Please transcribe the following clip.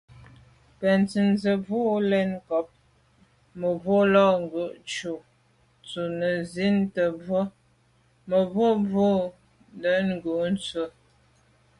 Bə̀nntʉ̌n tsə̀ bò yα̂ lɛ̌n ncob mə̀bwɔ lα ghʉ̌ cû ntʉ̀n nə̀ zi’tə bwə, mə̀bwɔ̂mə̀bwɔ ndɛ̂ncû nswə.